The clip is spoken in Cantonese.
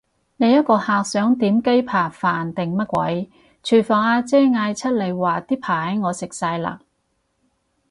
另一個客想點雞扒飯定乜鬼，廚房阿姐嗌出嚟話啲扒我食晒嘞！